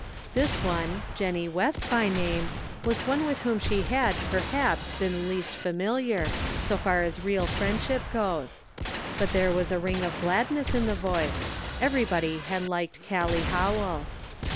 This one, Jennie West by name, was one with whom she had, perhaps, been least familiar, so far as real friendship goes ; 32 The Pocket Measure. but there was a ring of gladness in the voice ; everybody had liked Gallic Howell.